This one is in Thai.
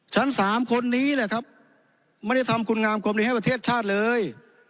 สามคนนี้แหละครับไม่ได้ทำคุณงามคนนี้ให้ประเทศชาติเลย